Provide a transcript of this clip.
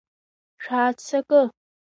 Шәааццакы!